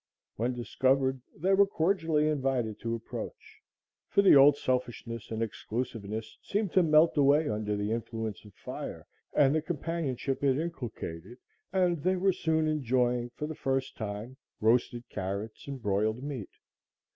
When discovered, they were cordially invited to approach, for the old selfishness and exclusiveness seemed to melt away under the influence of fire and the companionship it inculcated, and they were soon enjoying for the first time roasted carrots and broiled meat.